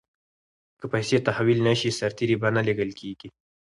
که پیسې تحویل نه شي سرتیري به نه لیږل کیږي.